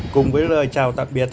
cùng với lời chào tạm biệt